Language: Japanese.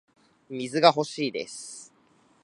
水が欲しいです